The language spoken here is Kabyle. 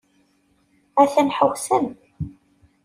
A-t-an ḥewsen.